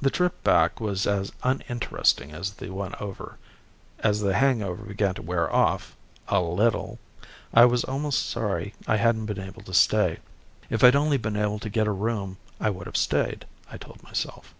The trip back was as uninteresting as the one over. As the hangover began to wear off a little I was almost sorry I hadn't been able to stay. If I'd only been able to get a room I would have stayed, I told myself.